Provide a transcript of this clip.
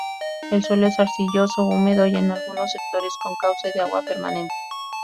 El suelo es arcilloso, húmedo y en algunos sectores con cauce de agua permanente.